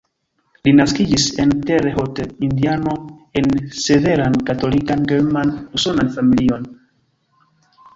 Li naskiĝis en Terre Haute, Indiano, en severan Katolikan German-Usonan familion.